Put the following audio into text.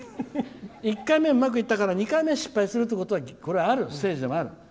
１回目、うまくいったから２回目は失敗するってことはステージでもある。